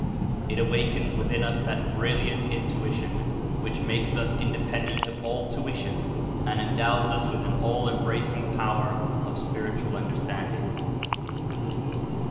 It awakens within us that brilliant in tuition which makes us independent of all tuition and endows us with an all embracing power of spiritual understanding.